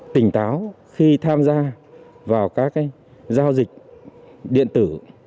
tỉnh táo khi tham gia vào các giao dịch điện tử